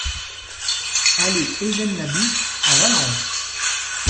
Allée Eugène Labiche à Valence